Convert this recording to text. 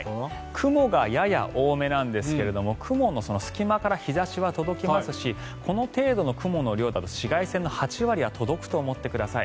雲がやや多めなんですけれども雲の隙間から日差しは届きますしこの程度の雲の量だと紫外線の８割は届くと思ってください。